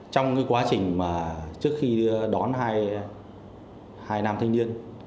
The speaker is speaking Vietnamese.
trong cái quá trình mà trước khi đón hai nam thanh niên